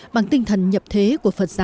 bằng tinh thần nhập thế của phật giáo